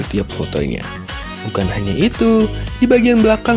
di indonesia itu luar biasa mas